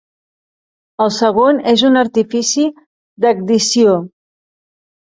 El segon és un artifici d'addició.